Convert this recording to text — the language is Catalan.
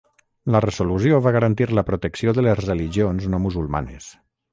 La resolució va garantir la protecció de les religions no musulmanes.